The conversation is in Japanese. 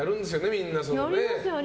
みんなね。